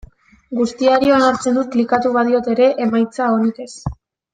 Guztiari onartzen dut klikatu badiot ere, emaitza onik ez.